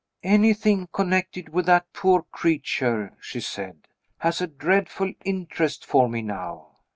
"Anything connected with that poor creature," she said, "has a dreadful interest for me now."